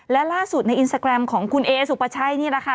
และล่าสุดในอินสตาแกรมของคุณเอสุปชัยนี่แหละค่ะ